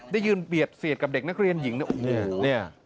ได้ยืนเบียดเสียดกับเด็กนักเรียนหญิงโอ้โฮ